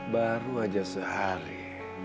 baru aja sehari